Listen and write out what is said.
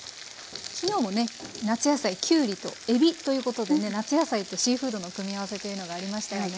昨日もね夏野菜きゅうりとえびということでね夏野菜とシーフードの組み合わせというのがありましたよね。